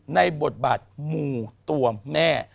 ในบทบาทมูตัวแม่